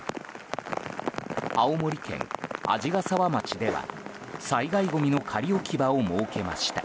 青森県鰺ヶ沢町では、災害ごみの仮置き場を設けました。